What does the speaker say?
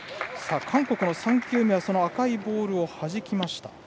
韓国の３球目は赤いボールをはじきました。